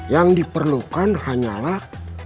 yang diperlukan hanyalah